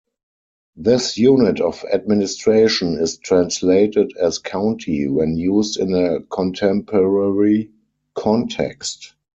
This unit of administration is translated as "county" when used in a contemporary context.